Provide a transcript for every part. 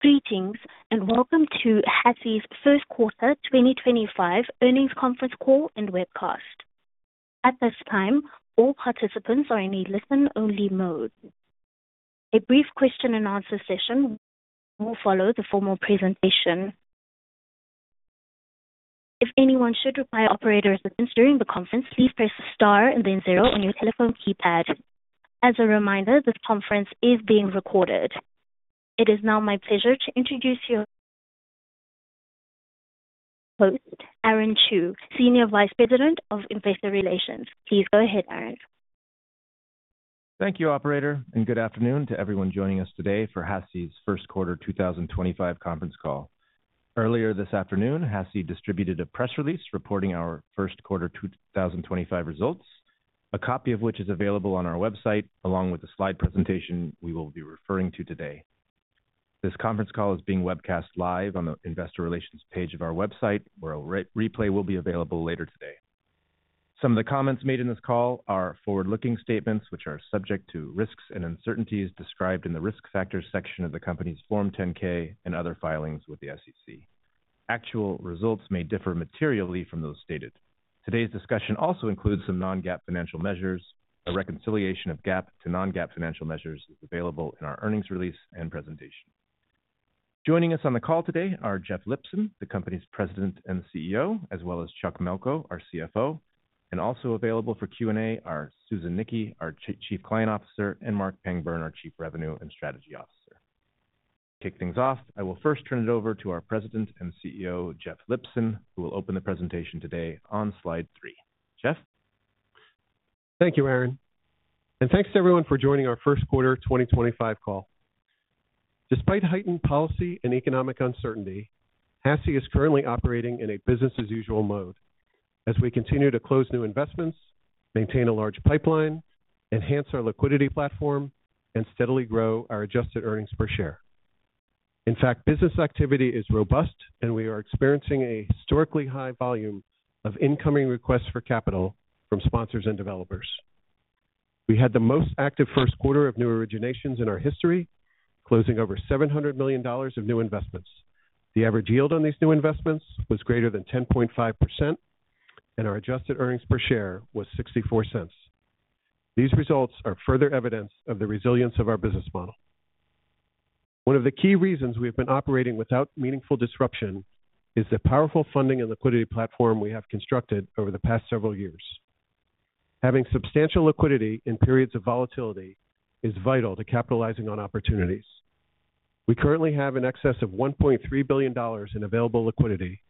Greetings, and welcome to HASI's first quarter 2025 earnings conference call and webcast. At this time, all participants are in a listen-only mode. A brief question-and-answer session will follow the formal presentation. If anyone should require operator assistance during the conference, please press the star and then zero on your telephone keypad. As a reminder, this conference is being recorded. It is now my pleasure to introduce your host, Aaron Chew, Senior Vice President of Investor Relations. Please go ahead, Aaron. Thank you, Operator, and good afternoon to everyone joining us today for HASI's first quarter 2025 conference call. Earlier this afternoon, HASI distributed a press release reporting our first quarter 2025 results, a copy of which is available on our website, along with the slide presentation we will be referring to today. This conference call is being webcast live on the Investor Relations page of our website, where a replay will be available later today. Some of the comments made in this call are forward-looking statements, which are subject to risks and uncertainties described in the risk factors section of the company's Form 10-K and other filings with the SEC. Actual results may differ materially from those stated. Today's discussion also includes some non-GAAP financial measures. A reconciliation of GAAP to non-GAAP financial measures is available in our earnings release and presentation. Joining us on the call today are Jeff Lipson, the company's President and CEO, as well as Chuck Melko, our CFO. Also available for Q&A are Susan Nickey, our Chief Client Officer, and Mark Pangburn, our Chief Revenue and Strategy Officer. To kick things off, I will first turn it over to our President and CEO, Jeff Lipson, who will open the presentation today on slide three. Jeff? Thank you, Aaron. Thank you to everyone for joining our first quarter 2025 call. Despite heightened policy and economic uncertainty, HASI is currently operating in a business-as-usual mode as we continue to close new investments, maintain a large pipeline, enhance our liquidity platform, and steadily grow our adjusted earnings per share. In fact, business activity is robust, and we are experiencing a historically high volume of incoming requests for capital from sponsors and developers. We had the most active first quarter of new originations in our history, closing over $700 million of new investments. The average yield on these new investments was greater than 10.5%, and our adjusted earnings per share was $0.64. These results are further evidence of the resilience of our business model. One of the key reasons we have been operating without meaningful disruption is the powerful funding and liquidity platform we have constructed over the past several years. Having substantial liquidity in periods of volatility is vital to capitalizing on opportunities. We currently have in excess of $1.3 billion in available liquidity,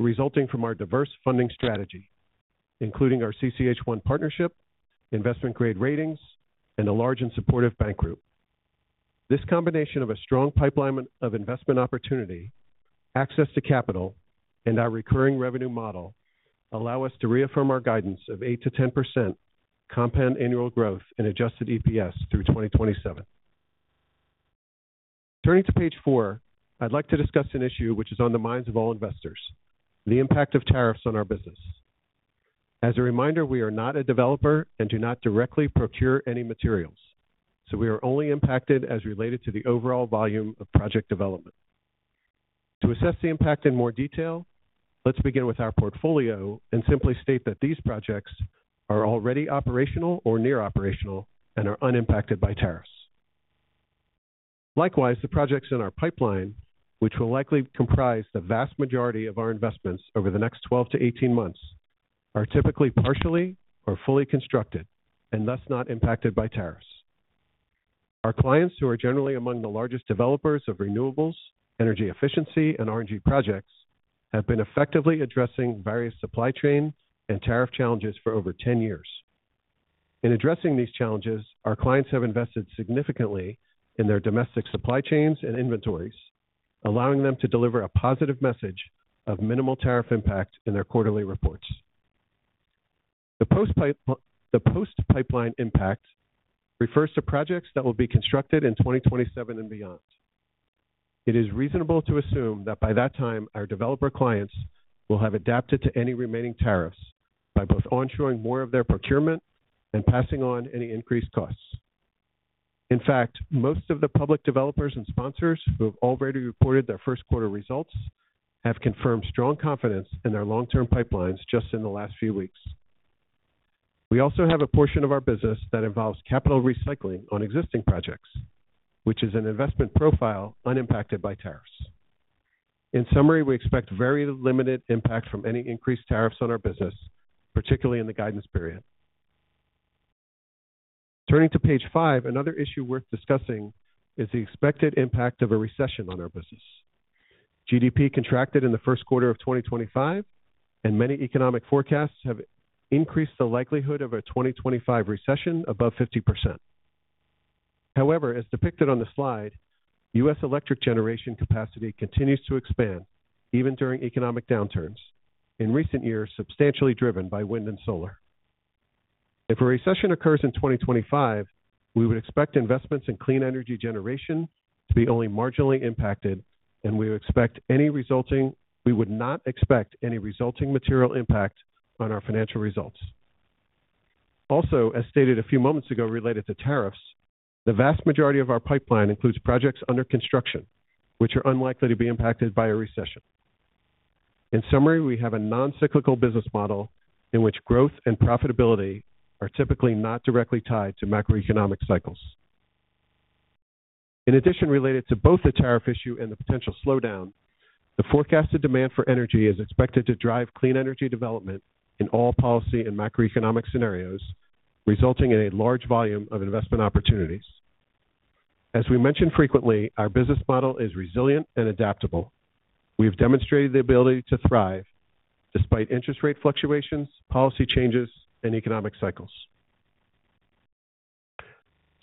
resulting from our diverse funding strategy, including our CCH1 partnership, investment-grade ratings, and a large and supportive bank group. This combination of a strong pipeline of investment opportunity, access to capital, and our recurring revenue model allows us to reaffirm our guidance of 8%-10% compound annual growth and adjusted EPS through 2027. Turning to page four, I'd like to discuss an issue which is on the minds of all investors: the impact of tariffs on our business. As a reminder, we are not a developer and do not directly procure any materials, so we are only impacted as related to the overall volume of project development. To assess the impact in more detail, let's begin with our portfolio and simply state that these projects are already operational or near operational and are unimpacted by tariffs. Likewise, the projects in our pipeline, which will likely comprise the vast majority of our investments over the next 12-18 months, are typically partially or fully constructed and thus not impacted by tariffs. Our clients, who are generally among the largest developers of renewables, energy efficiency, and R&D projects, have been effectively addressing various supply chain and tariff challenges for over 10 years. In addressing these challenges, our clients have invested significantly in their domestic supply chains and inventories, allowing them to deliver a positive message of minimal tariff impact in their quarterly reports. The post-pipeline impact refers to projects that will be constructed in 2027 and beyond. It is reasonable to assume that by that time, our developer clients will have adapted to any remaining tariffs by both onshoring more of their procurement and passing on any increased costs. In fact, most of the public developers and sponsors who have already reported their first quarter results have confirmed strong confidence in their long-term pipelines just in the last few weeks. We also have a portion of our business that involves capital recycling on existing projects, which is an investment profile unimpacted by tariffs. In summary, we expect very limited impact from any increased tariffs on our business, particularly in the guidance period. Turning to page five, another issue worth discussing is the expected impact of a recession on our business. GDP contracted in the first quarter of 2025, and many economic forecasts have increased the likelihood of a 2025 recession above 50%. However, as depicted on the slide, U.S. electric generation capacity continues to expand even during economic downturns, in recent years substantially driven by wind and solar. If a recession occurs in 2025, we would expect investments in clean energy generation to be only marginally impacted, and we would not expect any resulting material impact on our financial results. Also, as stated a few moments ago related to tariffs, the vast majority of our pipeline includes projects under construction, which are unlikely to be impacted by a recession. In summary, we have a non-cyclical business model in which growth and profitability are typically not directly tied to macroeconomic cycles. In addition, related to both the tariff issue and the potential slowdown, the forecasted demand for energy is expected to drive clean energy development in all policy and macroeconomic scenarios, resulting in a large volume of investment opportunities. As we mention frequently, our business model is resilient and adaptable. We have demonstrated the ability to thrive despite interest rate fluctuations, policy changes, and economic cycles.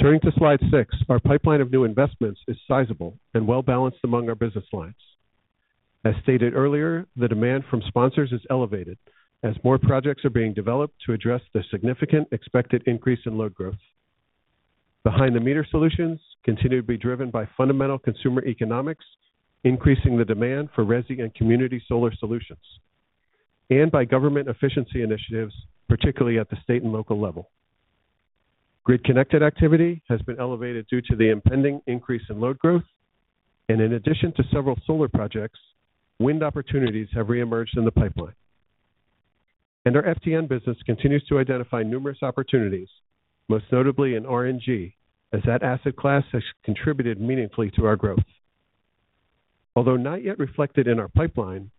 Turning to slide six, our pipeline of new investments is sizable and well-balanced among our business lines. As stated earlier, the demand from sponsors is elevated as more projects are being developed to address the significant expected increase in load growth. Behind-the-meter solutions continue to be driven by fundamental consumer economics, increasing the demand for residential and community solar solutions, and by government efficiency initiatives, particularly at the state and local level. Grid-connected activity has been elevated due to the impending increase in load growth, and in addition to several solar projects, wind opportunities have reemerged in the pipeline. Our FTN business continues to identify numerous opportunities, most notably in RNG, as that asset class has contributed meaningfully to our growth. Although not yet reflected in our pipeline,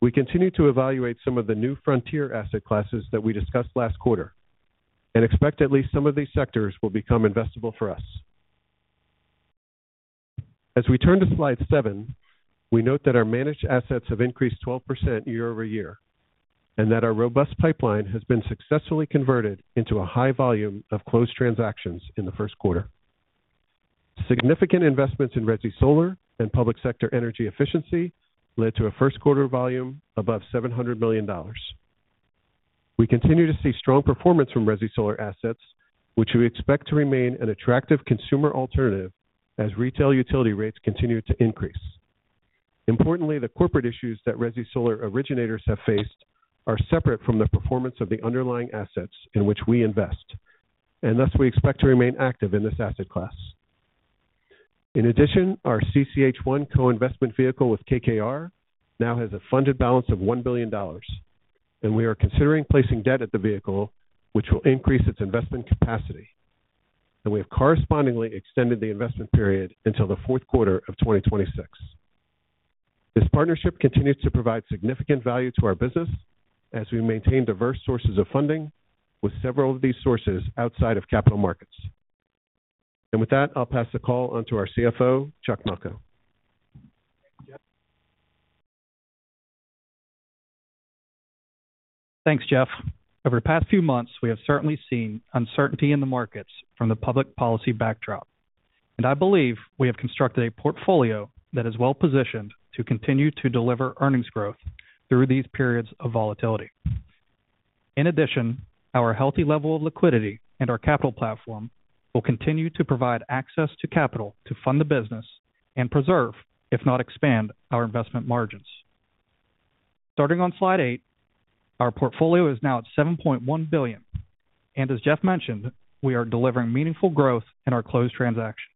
we continue to evaluate some of the new frontier asset classes that we discussed last quarter and expect at least some of these sectors will become investable for us. As we turn to slide seven, we note that our managed assets have increased 12% year-over-year and that our robust pipeline has been successfully converted into a high volume of closed transactions in the first quarter. Significant investments in resident solar and public sector energy efficiency led to a first quarter volume above $700 million. We continue to see strong performance from resident solar assets, which we expect to remain an attractive consumer alternative as retail utility rates continue to increase. Importantly, the corporate issues that resident solar originators have faced are separate from the performance of the underlying assets in which we invest, and thus we expect to remain active in this asset class. In addition, our CCH1 co-investment vehicle with KKR now has a funded balance of $1 billion, and we are considering placing debt at the vehicle, which will increase its investment capacity. We have correspondingly extended the investment period until the fourth quarter of 2026. This partnership continues to provide significant value to our business as we maintain diverse sources of funding, with several of these sources outside of capital markets. With that, I'll pass the call on to our CFO, Chuck Melko. Thanks, Jeff. Over the past few months, we have certainly seen uncertainty in the markets from the public policy backdrop, and I believe we have constructed a portfolio that is well-positioned to continue to deliver earnings growth through these periods of volatility. In addition, our healthy level of liquidity and our capital platform will continue to provide access to capital to fund the business and preserve, if not expand, our investment margins. Starting on slide eight, our portfolio is now at $7.1 billion, and as Jeff mentioned, we are delivering meaningful growth in our closed transactions.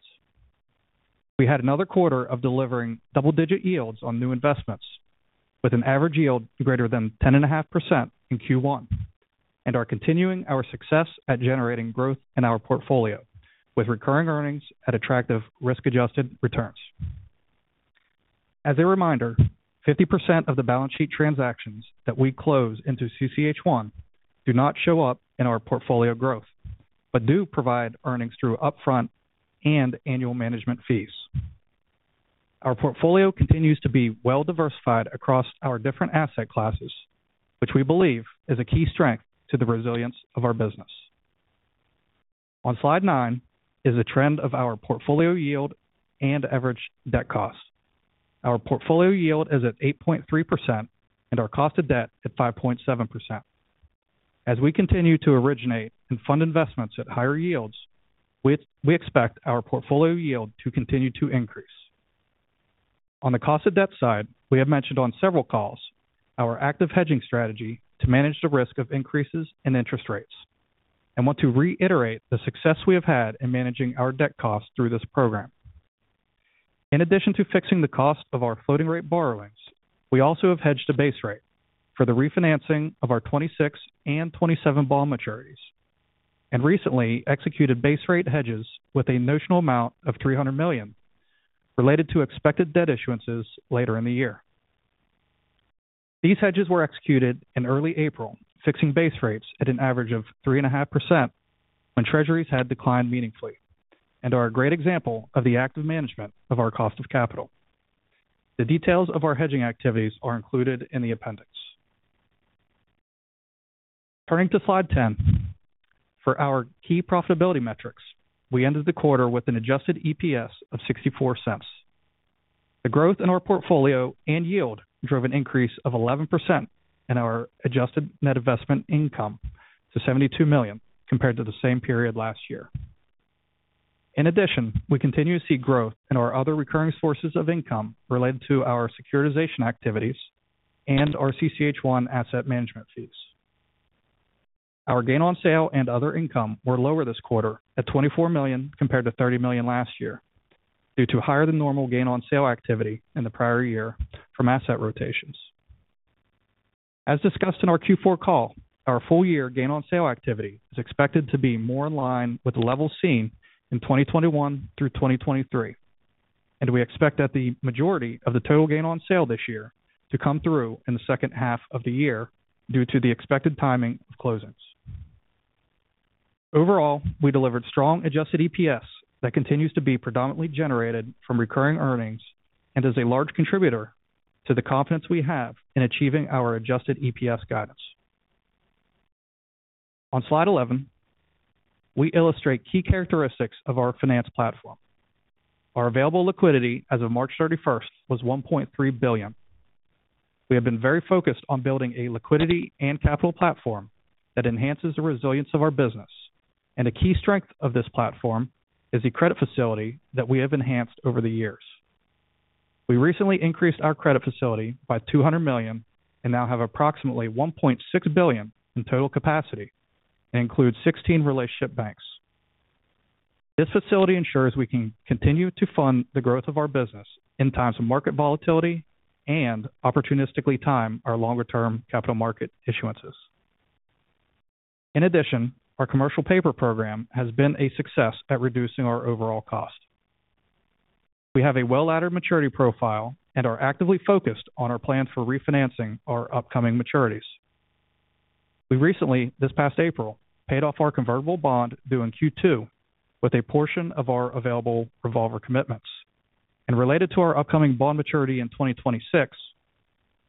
We had another quarter of delivering double-digit yields on new investments with an average yield greater than 10.5% in Q1, and are continuing our success at generating growth in our portfolio with recurring earnings at attractive risk-adjusted returns. As a reminder, 50% of the balance sheet transactions that we close into CCH1 do not show up in our portfolio growth but do provide earnings through upfront and annual management fees. Our portfolio continues to be well-diversified across our different asset classes, which we believe is a key strength to the resilience of our business. On slide nine is the trend of our portfolio yield and average debt cost. Our portfolio yield is at 8.3% and our cost of debt at 5.7%. As we continue to originate and fund investments at higher yields, we expect our portfolio yield to continue to increase. On the cost of debt side, we have mentioned on several calls our active hedging strategy to manage the risk of increases in interest rates and want to reiterate the success we have had in managing our debt costs through this program. In addition to fixing the cost of our floating-rate borrowings, we also have hedged a base rate for the refinancing of our 2026 and 2027 bond maturities and recently executed base rate hedges with a notional amount of $300 million related to expected debt issuances later in the year. These hedges were executed in early April, fixing base rates at an average of 3.5% when treasuries had declined meaningfully and are a great example of the active management of our cost of capital. The details of our hedging activities are included in the appendix. Turning to slide 10, for our key profitability metrics, we ended the quarter with an adjusted EPS of $0.64. The growth in our portfolio and yield drove an increase of 11% in our adjusted net investment income to $72 million compared to the same period last year. In addition, we continue to see growth in our other recurring sources of income related to our securitization activities and our CCH1 asset management fees. Our gain on sale and other income were lower this quarter at $24 million compared to $30 million last year due to higher than normal gain on sale activity in the prior year from asset rotations. As discussed in our Q4 call, our full-year gain on sale activity is expected to be more in line with the levels seen in 2021 through 2023, and we expect that the majority of the total gain on sale this year to come through in the second half of the year due to the expected timing of closings. Overall, we delivered strong adjusted EPS that continues to be predominantly generated from recurring earnings and is a large contributor to the confidence we have in achieving our adjusted EPS guidance. On slide 11, we illustrate key characteristics of our finance platform. Our available liquidity as of March 31st was $1.3 billion. We have been very focused on building a liquidity and capital platform that enhances the resilience of our business, and a key strength of this platform is the credit facility that we have enhanced over the years. We recently increased our credit facility by $200 million and now have approximately $1.6 billion in total capacity and include 16 relationship banks. This facility ensures we can continue to fund the growth of our business in times of market volatility and opportunistically time our longer-term capital market issuances. In addition, our commercial paper program has been a success at reducing our overall cost. We have a well-laddered maturity profile and are actively focused on our plans for refinancing our upcoming maturities. We recently, this past April, paid off our convertible bond due in Q2 with a portion of our available revolver commitments. Related to our upcoming bond maturity in 2026,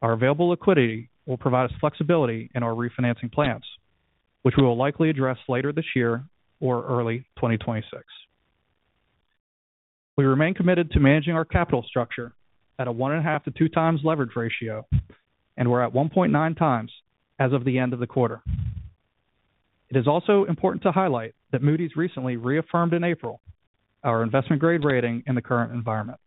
our available liquidity will provide us flexibility in our refinancing plans, which we will likely address later this year or early 2026. We remain committed to managing our capital structure at a one-and-a-half to two-times leverage ratio, and we are at 1.9 times as of the end of the quarter. It is also important to highlight that Moody's recently reaffirmed in April our investment-grade rating in the current environment.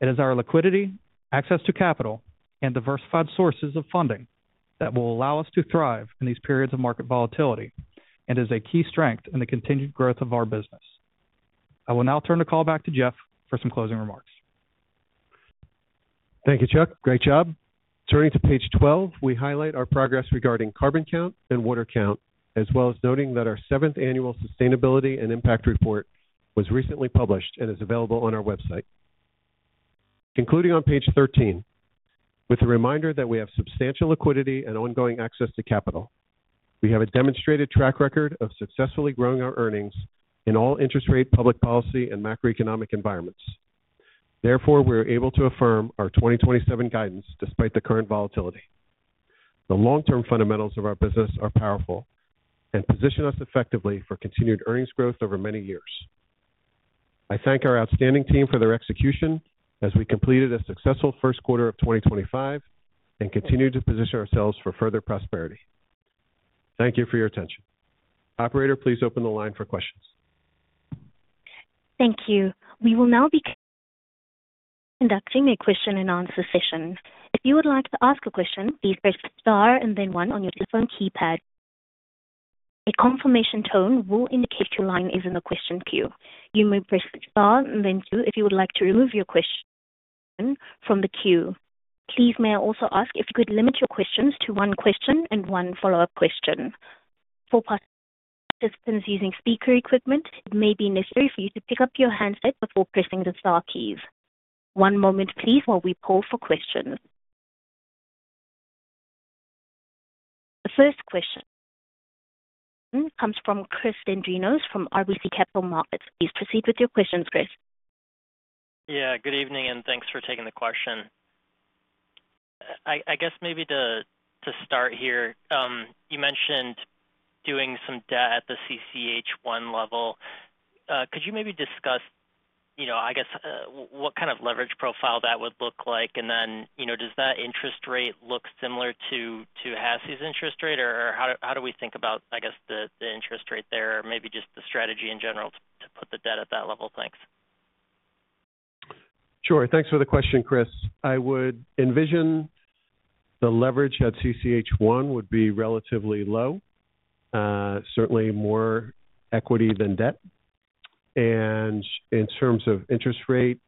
It is our liquidity, access to capital, and diversified sources of funding that will allow us to thrive in these periods of market volatility and is a key strength in the continued growth of our business. I will now turn the call back to Jeff for some closing remarks. Thank you, Chuck. Great job. Turning to page 12, we highlight our progress regarding carbon count and water count, as well as noting that our seventh annual sustainability and impact report was recently published and is available on our website. Concluding on page 13, with a reminder that we have substantial liquidity and ongoing access to capital, we have a demonstrated track record of successfully growing our earnings in all interest-rate, public policy, and macroeconomic environments. Therefore, we are able to affirm our 2027 guidance despite the current volatility. The long-term fundamentals of our business are powerful and position us effectively for continued earnings growth over many years. I thank our outstanding team for their execution as we completed a successful first quarter of 2025 and continue to position ourselves for further prosperity. Thank you for your attention. Operator, please open the line for questions. Thank you. We will now be conducting a question-and-answer session. If you would like to ask a question, please press star and then one on your telephone keypad. A confirmation tone will indicate your line is in the question queue. You may press star and then two if you would like to remove your question from the queue. Please may I also ask if you could limit your questions to one question and one follow-up question. For participants using speaker equipment, it may be necessary for you to pick up your handset before pressing the star keys. One moment, please, while we poll for questions. The first question comes from Chris Dendrinos from RBC Capital Markets. Please proceed with your questions, Chris. Yeah, good evening and thanks for taking the question. I guess maybe to start here, you mentioned doing some debt at the CCH1 level. Could you maybe discuss, I guess, what kind of leverage profile that would look like? And then does that interest rate look similar to HASI's interest rate? Or how do we think about, I guess, the interest rate there? Or maybe just the strategy in general to put the debt at that level? Thanks. Sure. Thanks for the question, Chris. I would envision the leverage at CCH1 would be relatively low, certainly more equity than debt. In terms of interest rate,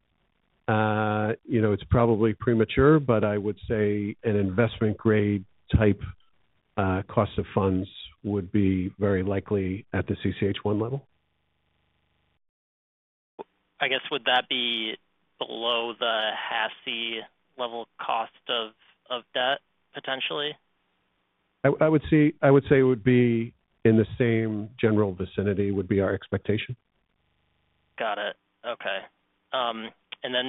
it's probably premature, but I would say an investment-grade type cost of funds would be very likely at the CCH1 level. I guess, would that be below the HASI level cost of debt, potentially? I would say it would be in the same general vicinity would be our expectation. Got it. Okay.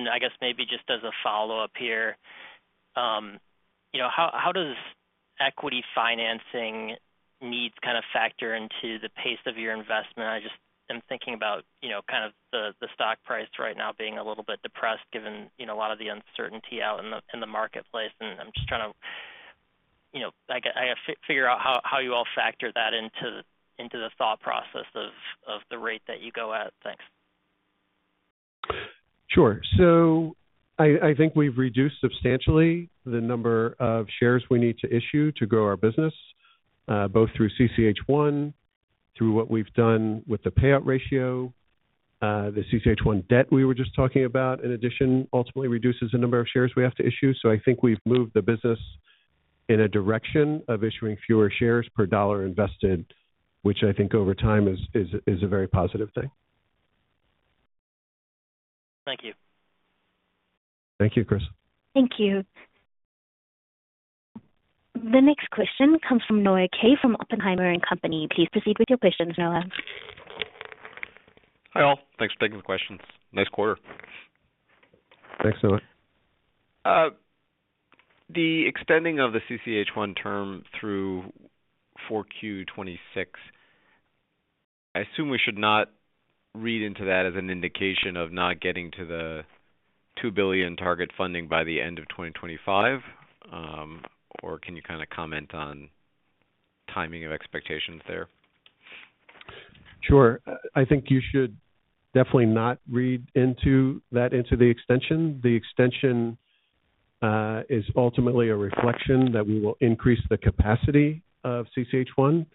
I guess maybe just as a follow-up here, how does equity financing need kind of factor into the pace of your investment? I just am thinking about kind of the stock price right now being a little bit depressed given a lot of the uncertainty out in the marketplace. I am just trying to figure out how you all factor that into the thought process of the rate that you go at. Thanks. Sure. I think we've reduced substantially the number of shares we need to issue to grow our business, both through CCH1, through what we've done with the payout ratio. The CCH1 debt we were just talking about, in addition, ultimately reduces the number of shares we have to issue. I think we've moved the business in a direction of issuing fewer shares per dollar invested, which I think over time is a very positive thing. Thank you. Thank you, Chris. Thank you. The next question comes from Noah Kaye from Oppenheimer & Company. Please proceed with your questions, Noah. Hi all. Thanks for taking the questions. Nice quarter. Thanks, Noah. The extending of the CCH1 term through 4Q 2026, I assume we should not read into that as an indication of not getting to the $2 billion target funding by the end of 2025? Or can you kind of comment on timing of expectations there? Sure. I think you should definitely not read into that, into the extension. The extension is ultimately a reflection that we will increase the capacity of CCH1,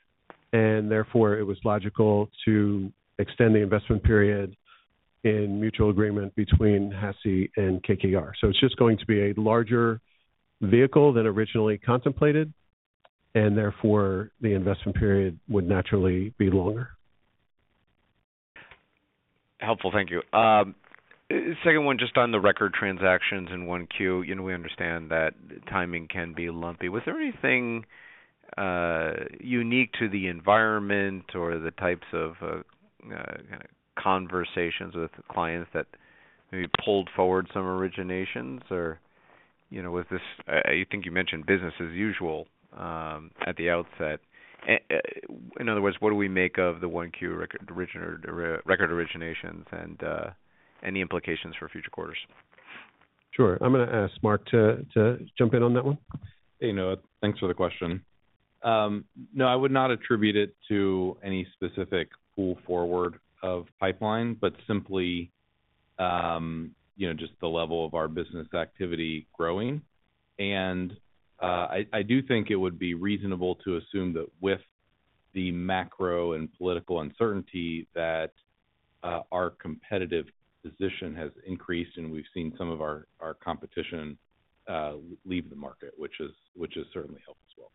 and therefore it was logical to extend the investment period in mutual agreement between HASI and KKR. It is just going to be a larger vehicle than originally contemplated, and therefore the investment period would naturally be longer. Helpful. Thank you. Second one, just on the record transactions in Q1, we understand that timing can be lumpy. Was there anything unique to the environment or the types of kind of conversations with clients that maybe pulled forward some originations? Or was this, I think you mentioned business as usual at the outset. In other words, what do we make of the Q1 record originations and any implications for future quarters? Sure. I'm going to ask Mark to jump in on that one. Hey, Noah. Thanks for the question. No, I would not attribute it to any specific pull-forward of pipeline, but simply just the level of our business activity growing. I do think it would be reasonable to assume that with the macro and political uncertainty that our competitive position has increased and we've seen some of our competition leave the market, which is certainly helpful as well.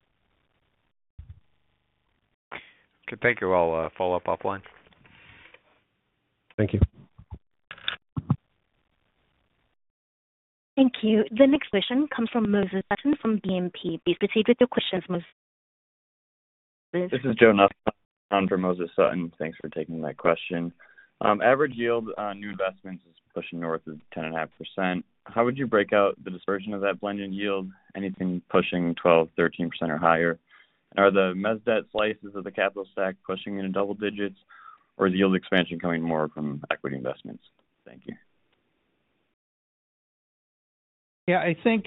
Okay. Thank you all. Follow-up offline. Thank you. Thank you. The next question comes from Moses Sutton from BNP. Please proceed with your questions, Moses. This is Jonathan from Moses Sutton. Thanks for taking that question. Average yield on new investments is pushing north of 10.5%. How would you break out the dispersion of that blend in yield? Anything pushing 12%, 13% or higher? And are the mezdet slices of the capital stack pushing into double digits, or is yield expansion coming more from equity investments? Thank you. Yeah, I think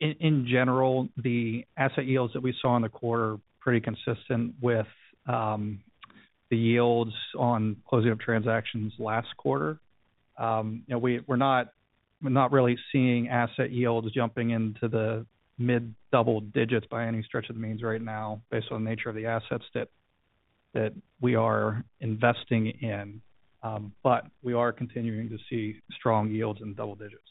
in general, the asset yields that we saw in the quarter are pretty consistent with the yields on closing of transactions last quarter. We're not really seeing asset yields jumping into the mid-double digits by any stretch of the means right now based on the nature of the assets that we are investing in. We are continuing to see strong yields in the double digits.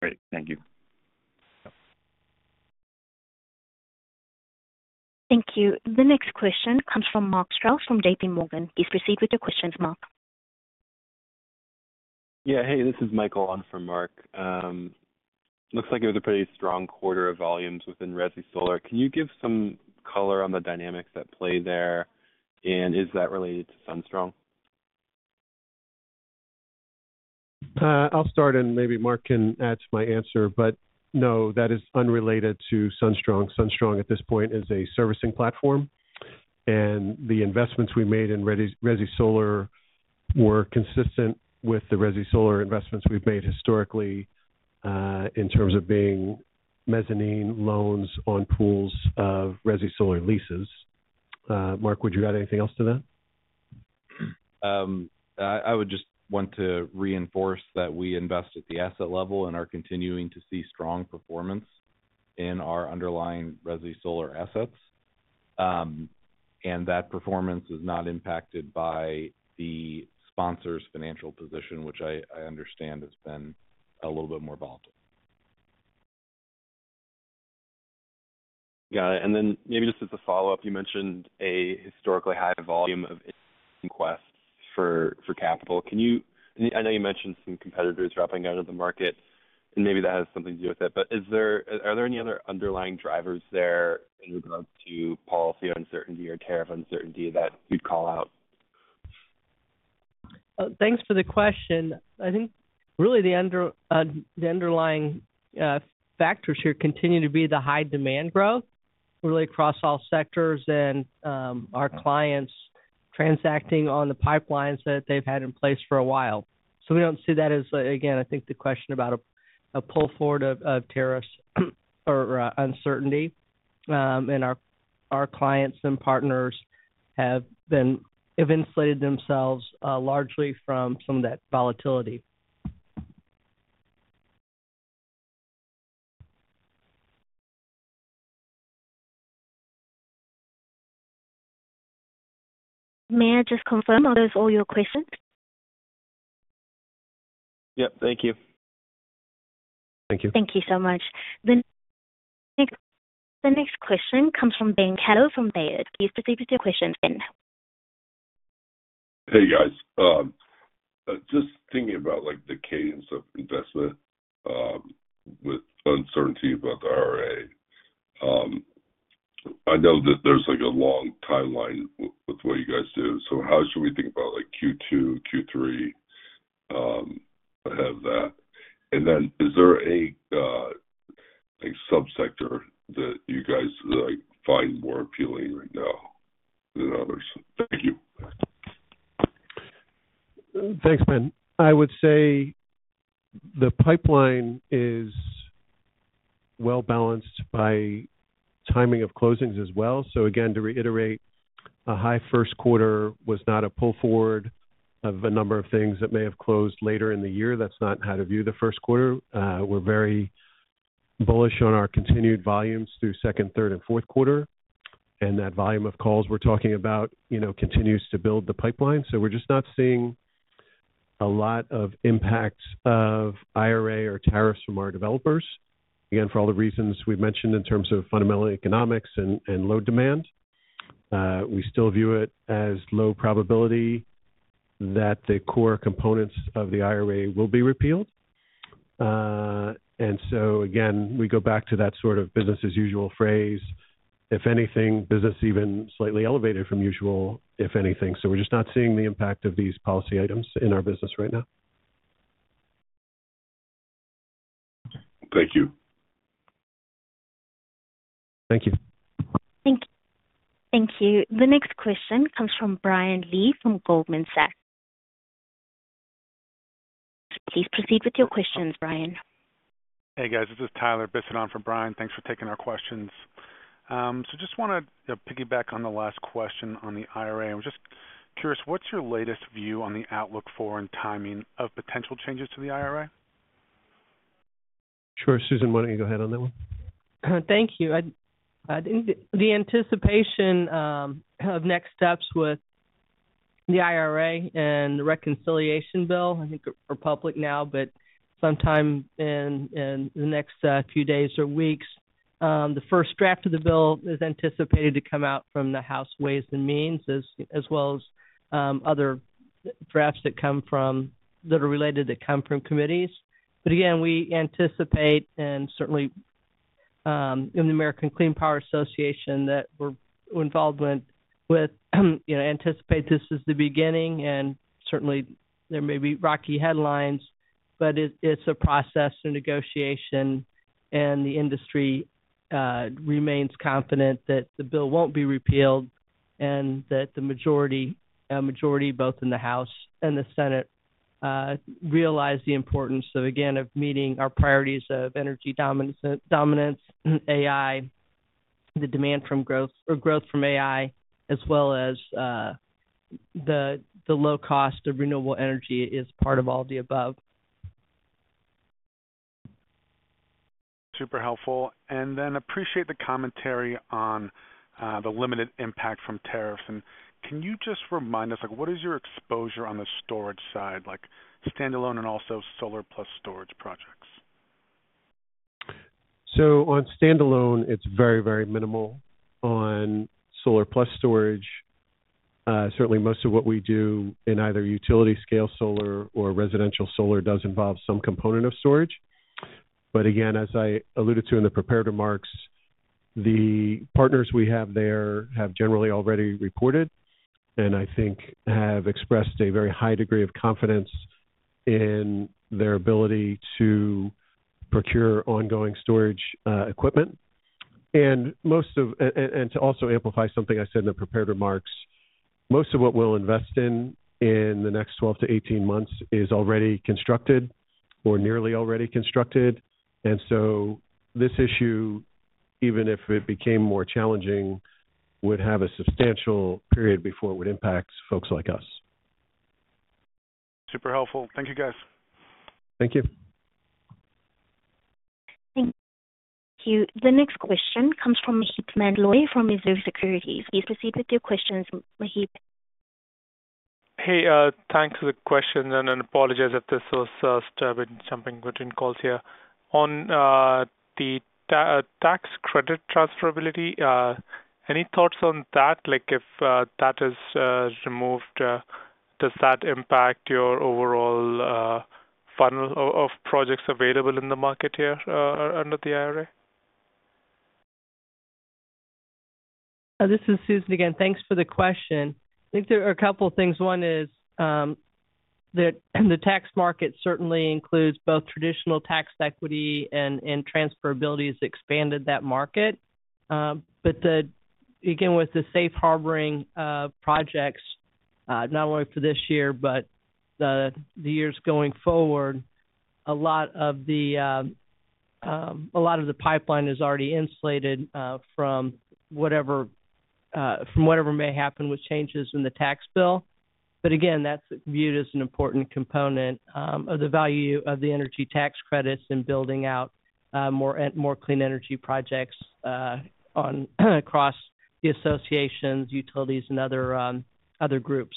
Great. Thank you. Thank you. The next question comes from Mark Strauss from JPMorgan. Please proceed with your questions, Mark. Yeah. Hey, this is Michael. I'm from Mark. Looks like it was a pretty strong quarter of volumes within Resi Solar. Can you give some color on the dynamics that play there, and is that related to SunStrong? I'll start, and maybe Mark can add to my answer. No, that is unrelated to SunStrong. SunStrong at this point is a servicing platform, and the investments we made in Resi Solar were consistent with the Resi Solar investments we've made historically in terms of being mezzanine loans on pools of Resi Solar leases. Mark, would you add anything else to that? I would just want to reinforce that we invest at the asset level and are continuing to see strong performance in our underlying Resi Solar assets. That performance is not impacted by the sponsor's financial position, which I understand has been a little bit more volatile. Got it. Maybe just as a follow-up, you mentioned a historically high volume of inquests for capital. I know you mentioned some competitors dropping out of the market, and maybe that has something to do with it. Are there any other underlying drivers there in regards to policy uncertainty or tariff uncertainty that you'd call out? Thanks for the question. I think really the underlying factors here continue to be the high demand growth really across all sectors and our clients transacting on the pipelines that they've had in place for a while. We do not see that as, again, I think the question about a pull forward of tariffs or uncertainty. Our clients and partners have insulated themselves largely from some of that volatility. May I just confirm? Those all your questions. Yep. Thank you. Thank you. Thank you so much. The next question comes from Ben Kallo from Baird. Please proceed with your question, Ben. Hey, guys. Just thinking about the cadence of investment with uncertainty about the IRA, I know that there's a long timeline with what you guys do. How should we think about Q2, Q3, ahead of that? Is there a subsector that you guys find more appealing right now than others? Thank you. Thanks, Ben. I would say the pipeline is well balanced by timing of closings as well. Again, to reiterate, a high first quarter was not a pull forward of a number of things that may have closed later in the year. That is not how to view the first quarter. We are very bullish on our continued volumes through second, third, and fourth quarter. That volume of calls we are talking about continues to build the pipeline. We are just not seeing a lot of impact of IRA or tariffs from our developers, again, for all the reasons we have mentioned in terms of fundamental economics and load demand. We still view it as low probability that the core components of the IRA will be repealed. Again, we go back to that sort of business as usual phrase. If anything, business is even slightly elevated from usual, if anything. We're just not seeing the impact of these policy items in our business right now. Thank you. Thank you. Thank you. The next question comes from Brian Lee from Goldman Sachs. Please proceed with your questions, Brian. Hey, guys. This is Tyler Bisset from Bryan. Thanks for taking our questions. Just want to piggyback on the last question on the IRA. I'm just curious, what's your latest view on the outlook for and timing of potential changes to the IRA? Sure. Susan, why don't you go ahead on that one? Thank you. The anticipation of next steps with the IRA and the reconciliation bill, I think are public now, but sometime in the next few days or weeks. The first draft of the bill is anticipated to come out from the House Ways and Means as well as other drafts that are related that come from committees. Again, we anticipate, and certainly in the American Clean Power Association that we're involved with, anticipate this is the beginning. Certainly, there may be rocky headlines, but it's a process and negotiation, and the industry remains confident that the bill won't be repealed and that the majority, both in the House and the Senate, realize the importance of, again, meeting our priorities of energy dominance, AI, the demand for growth from AI, as well as the low cost of renewable energy is part of all the above. Super helpful. I appreciate the commentary on the limited impact from tariffs. Can you just remind us, what is your exposure on the storage side, standalone and also solar plus storage projects? On standalone, it's very, very minimal. On solar plus storage, certainly most of what we do in either utility-scale solar or residential solar does involve some component of storage. As I alluded to in the preparatory marks, the partners we have there have generally already reported and I think have expressed a very high degree of confidence in their ability to procure ongoing storage equipment. To also amplify something I said in the preparatory marks, most of what we'll invest in in the next 12-18 months is already constructed or nearly already constructed. This issue, even if it became more challenging, would have a substantial period before it would impact folks like us. Super helpful. Thank you, guys. Thank you. Thank you. The next question comes from Maheep Mandloi from Mizuho Securities. Please proceed with your questions, Maheep. Hey, thanks for the question. I apologize if this was stubborn jumping between calls here. On the tax credit transferability, any thoughts on that? If that is removed, does that impact your overall funnel of projects available in the market here under the IRA? This is Susan again. Thanks for the question. I think there are a couple of things. One is the tax market certainly includes both traditional tax equity and transferability has expanded that market. Again, with the safe harboring projects, not only for this year, but the years going forward, a lot of the pipeline is already insulated from whatever may happen with changes in the tax bill. Again, that's viewed as an important component of the value of the energy tax credits and building out more clean energy projects across the associations, utilities, and other groups.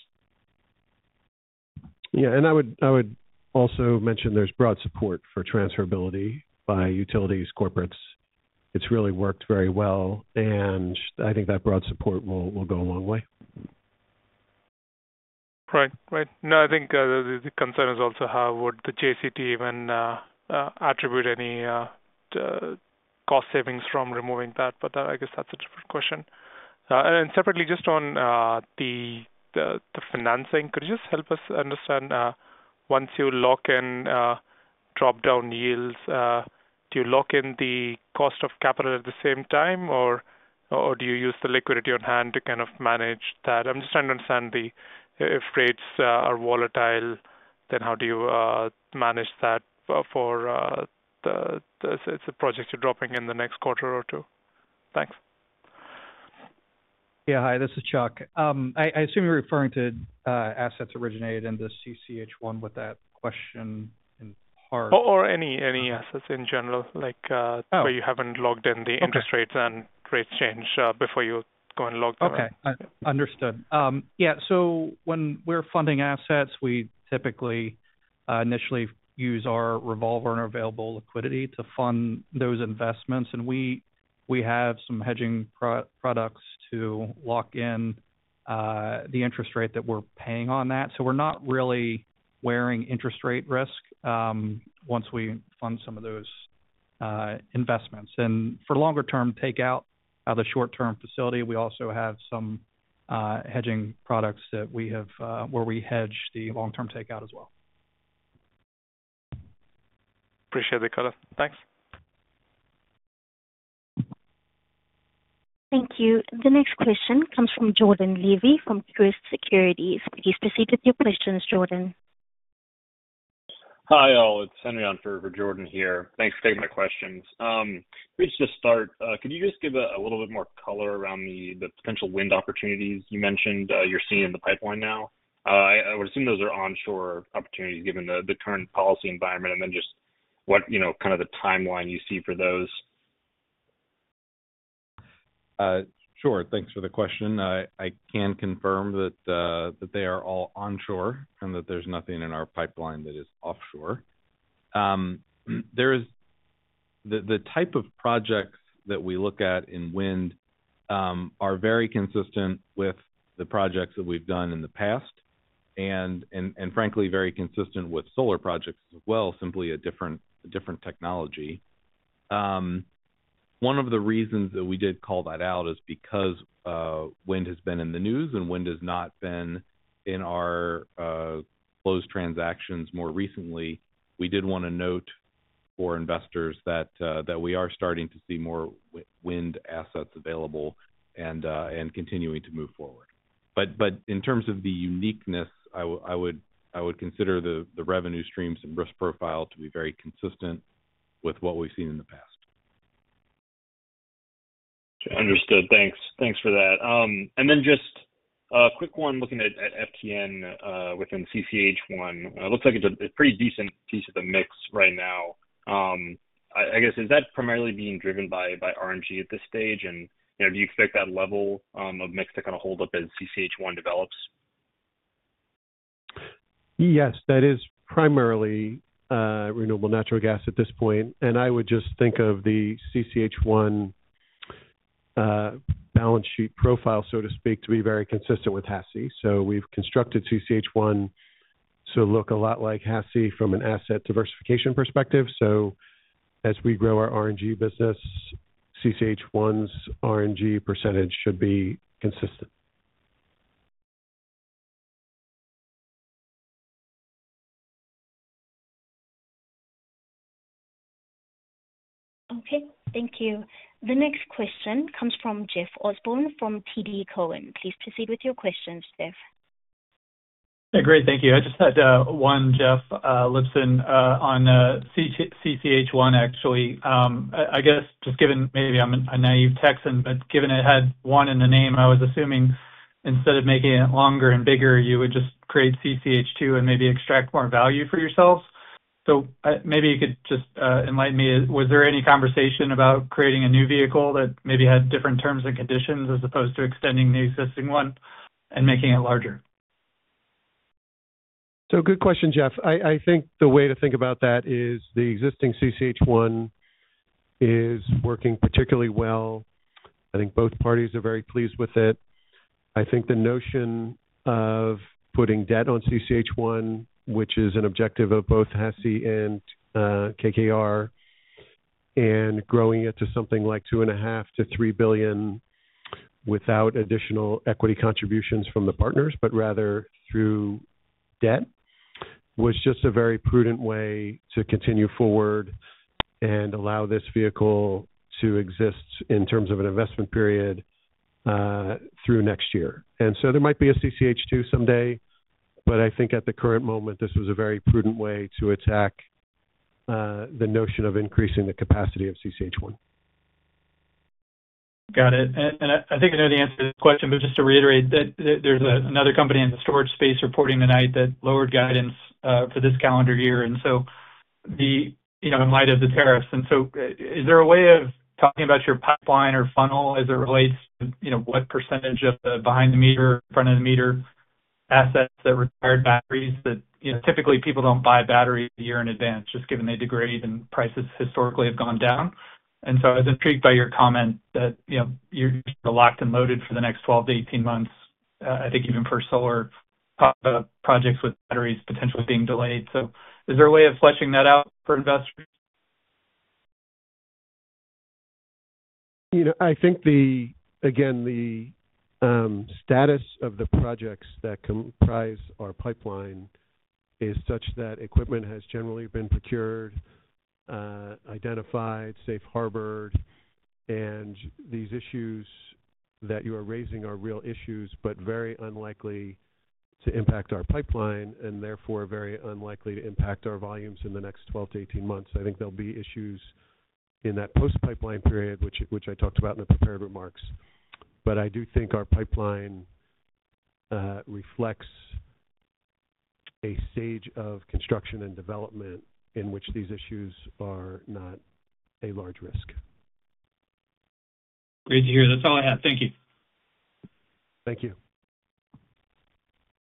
Yeah. I would also mention there's broad support for transferability by utilities, corporates. It's really worked very well. I think that broad support will go a long way. Right. Right. No, I think the concern is also how would the JCT even attribute any cost savings from removing that. I guess that's a different question. Separately, just on the financing, could you just help us understand once you lock in drop-down yields, do you lock in the cost of capital at the same time, or do you use the liquidity on hand to kind of manage that? I'm just trying to understand if rates are volatile, then how do you manage that for the projects you're dropping in the next quarter or two? Thanks. Yeah. Hi, this is Chuck. I assume you're referring to assets originated in the CCH1 with that question in part. Or any assets in general, where you have not locked in the interest rates and rates change before you go and lock them. Okay. Understood. Yeah. When we're funding assets, we typically initially use our revolver and available liquidity to fund those investments. We have some hedging products to lock in the interest rate that we're paying on that. We're not really wearing interest rate risk once we fund some of those investments. For longer-term takeout out of the short-term facility, we also have some hedging products where we hedge the long-term takeout as well. Appreciate the color. Thanks. Thank you. The next question comes from Jordan Levy from Truist Securities. Please proceed with your questions, Jordan. Hi all. It's Henry on for Jordan here. Thanks for taking my questions. Let's just start. Could you just give a little bit more color around the potential wind opportunities you mentioned you're seeing in the pipeline now? I would assume those are onshore opportunities given the current policy environment and then just kind of the timeline you see for those. Sure. Thanks for the question. I can confirm that they are all onshore and that there's nothing in our pipeline that is offshore. The type of projects that we look at in wind are very consistent with the projects that we've done in the past and, frankly, very consistent with solar projects as well, simply a different technology. One of the reasons that we did call that out is because wind has been in the news and wind has not been in our closed transactions more recently. We did want to note for investors that we are starting to see more wind assets available and continuing to move forward. In terms of the uniqueness, I would consider the revenue streams and risk profile to be very consistent with what we've seen in the past. Understood. Thanks. Thanks for that. Just a quick one looking at FTN within CCH1. It looks like it's a pretty decent piece of the mix right now. I guess, is that primarily being driven by RNG at this stage? Do you expect that level of mix to kind of hold up as CCH1 develops? Yes. That is primarily renewable natural gas at this point. I would just think of the CCH1 balance sheet profile, so to speak, to be very consistent with HASI. We have constructed CCH1 to look a lot like HASI from an asset diversification perspective. As we grow our RNG business, CCH1's RNG percentage should be consistent. Okay. Thank you. The next question comes from Jeff Osborne from TD Cowen. Please proceed with your questions, Jeff. Hey, great. Thank you. I just had one, Jeff Lipson, on CCH1, actually. I guess, just given maybe I'm a naive Texan, but given it had one in the name, I was assuming instead of making it longer and bigger, you would just create CCH2 and maybe extract more value for yourselves. Maybe you could just enlighten me. Was there any conversation about creating a new vehicle that maybe had different terms and conditions as opposed to extending the existing one and making it larger? Good question, Jeff. I think the way to think about that is the existing CCH1 is working particularly well. I think both parties are very pleased with it. I think the notion of putting debt on CCH1, which is an objective of both HASI and KKR, and growing it to something like $2.5 billion-$3 billion without additional equity contributions from the partners, but rather through debt, was just a very prudent way to continue forward and allow this vehicle to exist in terms of an investment period through next year. There might be a CCH2 someday, but I think at the current moment, this was a very prudent way to attack the notion of increasing the capacity of CCH1. Got it. I think I know the answer to this question, but just to reiterate, there's another company in the storage space reporting tonight that lowered guidance for this calendar year. In light of the tariffs, is there a way of talking about your pipeline or funnel as it relates to what percentage of the behind-the-meter or front-of-the-meter assets that require batteries, that typically people do not buy batteries a year in advance just given they degrade and prices historically have gone down? I was intrigued by your comment that you're locked and loaded for the next 12-18 months, I think even for solar projects with batteries potentially being delayed. Is there a way of fleshing that out for investors? I think, again, the status of the projects that comprise our pipeline is such that equipment has generally been procured, identified, safe harbored, and these issues that you are raising are real issues, but very unlikely to impact our pipeline and therefore very unlikely to impact our volumes in the next 12-18 months. I think there will be issues in that post-pipeline period, which I talked about in the preparatory marks. I do think our pipeline reflects a stage of construction and development in which these issues are not a large risk. Great to hear. That's all I have. Thank you. Thank you.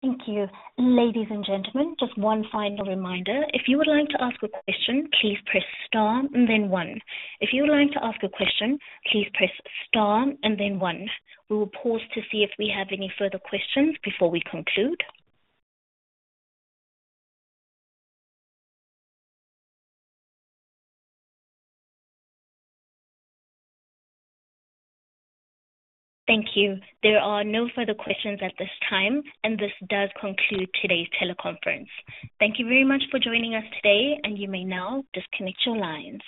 Thank you. Ladies and gentlemen, just one final reminder. If you would like to ask a question, please press star and then one. We will pause to see if we have any further questions before we conclude. Thank you. There are no further questions at this time, and this does conclude today's teleconference. Thank you very much for joining us today, and you may now disconnect your lines.